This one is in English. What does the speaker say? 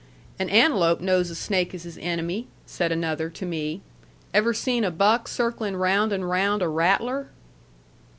"An antelope knows a snake is his enemy," said another to me. "Ever seen a buck circling round and round a rattler?"